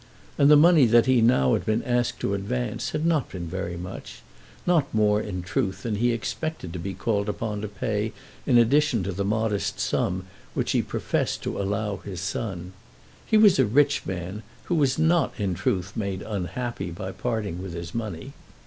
And the money that he had now been asked to advance had not been very much, not more, in truth, than he expected to be called upon to pay in addition to the modest sum which he professed to allow his son. He was a rich man, who was not in truth made unhappy by parting with his money.